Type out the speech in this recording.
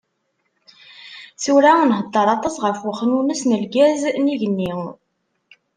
Tura nhedder aṭas ɣef uxnunnes n lgaz n yigenni.